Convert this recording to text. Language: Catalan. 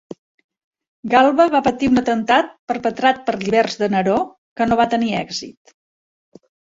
Galba va patir un atemptat perpetrat per lliberts de Neró, que no va tenir èxit.